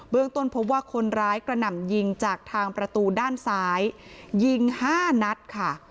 ต้นพบว่าคนร้ายกระหน่ำยิงจากทางประตูด้านซ้ายยิง๕นัดค่ะ